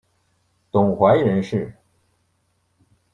董槐人士。